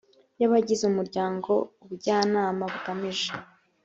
y abagize umuryango ubujyanama bugamije